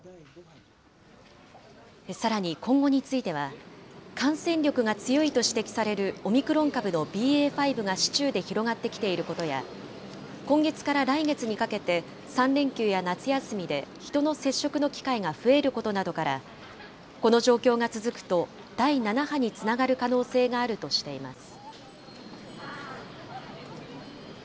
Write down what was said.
さらに今後については、感染力が強いと指摘されるオミクロン株のＢＡ．５が市中で広がってきていることや、今月から来月にかけて、３連休や夏休みで人の接触の機会が増えることなどから、この状況が続くと、第７波につながる可能性があるとしています。